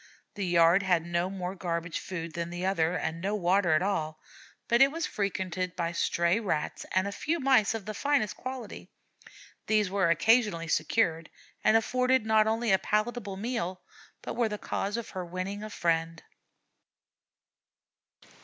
The yard had no more garbage food than the other and no water at all, but it was frequented by stray Rats and a few Mice of the finest quality; these were occasionally secured, and afforded not only a palatable meal, but were the cause of her winning a friend.